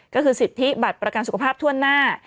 ก็คือสิทธิบัตรประกันสุขภาพทั่วหน้า